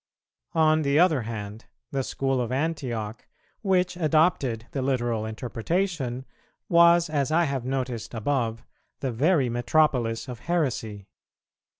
On the other hand, the School of Antioch, which adopted the literal interpretation, was, as I have noticed above, the very metropolis of heresy.